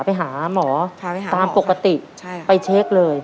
ไปหาหมอตามปกติไปเช็คเลย